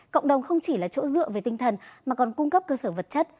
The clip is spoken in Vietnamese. cộng đồng không chỉ là chỗ dựa về tinh thần mà còn cung cấp cơ sở vật chất